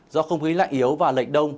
do không khí lạnh yếu và lệch đông